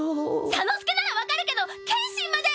左之助なら分かるけど剣心まで！